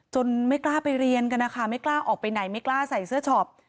ไม่กล้าไปเรียนกันนะคะไม่กล้าออกไปไหนไม่กล้าใส่เสื้อช็อป